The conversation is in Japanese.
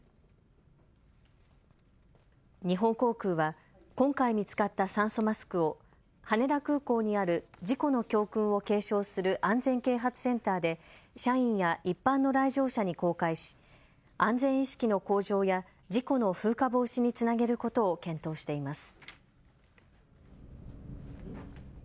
日本航空は今回見つかった酸素マスクを羽田空港にある事故の教訓を継承する安全啓発センターで社員や一般の来場者に公開し安全意識の向上や事故の風化防止につなげることを検討しています。